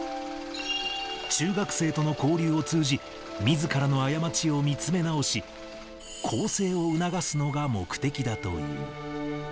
中学生との交流を通じ、みずからの過ちを見つめ直し、更生を促すのが目的だという。